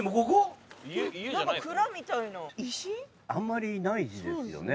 あんまりないですよね。